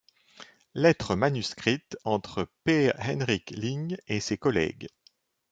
Lettres manuscrites entre Pehr Henrik Ling et ses collègues.